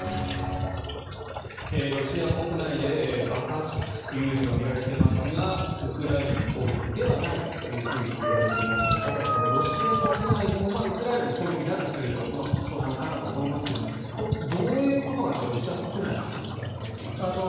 ロシア国内で爆発というのが見られていますがウクライナの攻撃ではないかといわれていますが高橋さん、ロシア国内でもウクライナの攻撃だとするとそうなのかなとは思いますがどういうことがあってロシア国内で始まったという。